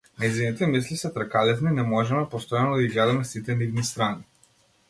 Нејзините мисли се тркалезни, не можеме постојано да ги гледаме сите нивни страни.